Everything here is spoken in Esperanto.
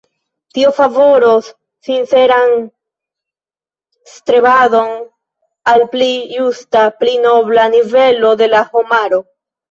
Tio favoros sinceran strebadon al pli justa, pli nobla nivelo de la homaro.